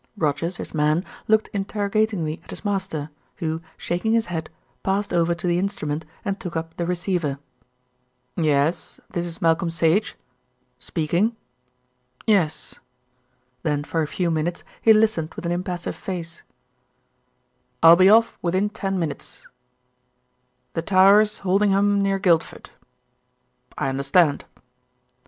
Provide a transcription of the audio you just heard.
Rogers, his man, looked interrogatingly at his master, who, shaking his head, passed over to the instrument and took up the receiver. "Yes, this is Malcolm Sage Speaking Yes." Then for a few minutes he listened with an impassive face. "I'll be off within ten minutes The Towers, Holdingham, near Guildford I understand."